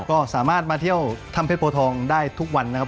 ก็สามารถมาเที่ยวถ้ำเพชรโบทองได้ทุกวันนะครับ